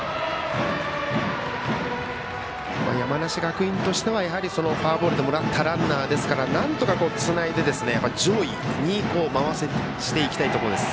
山梨学院としてはフォアボールでもらったランナーですからなんとかつないで上位に回していきたいところです。